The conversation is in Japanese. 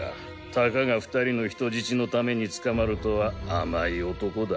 たかが２人の人質のために捕まるとは甘い男だ。